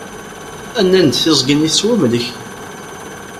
Nna-d tiẓgi-nni tettwamlek.